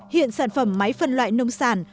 hiện sản phẩm máy phân loại nông sản